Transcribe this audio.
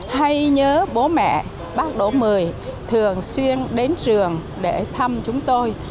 hay nhớ bố mẹ bác đỗ mười thường xuyên đến trường để thăm chúng tôi